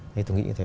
thế tôi nghĩ là